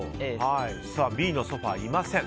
Ｂのソファいません。